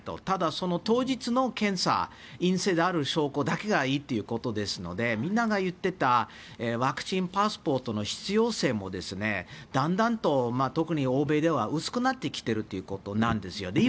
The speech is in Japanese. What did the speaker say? ただ、当日の検査陰性である証拠だけがいいということですのでみんなが言っていたワクチンパスポートの必要性もだんだんと特に欧米では薄くなってきているということなんですよ。